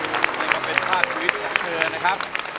นี่ก็เป็นภาพชีวิตของเธอนะครับ